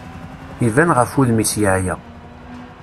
Iban ɣef wudem-is yeɛya.